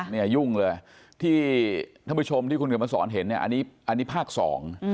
ท่านผู้ชมที่คุณกำลังสอนเห็นอันนี้ภาคสอง